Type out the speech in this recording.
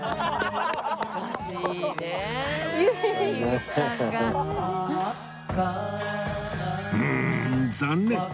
うーん残念！